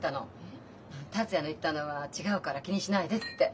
「達也の言ったのは違うから気にしないで」って。